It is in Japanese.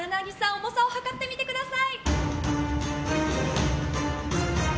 重さを量ってみてください。